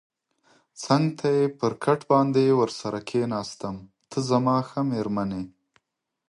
څنګ ته یې پر کټ باندې ورسره کېناستم، ته زما ښه مېرمن یې.